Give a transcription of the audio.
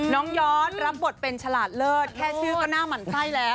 ย้อนรับบทเป็นฉลาดเลิศแค่ชื่อก็หน้าหมั่นไส้แล้ว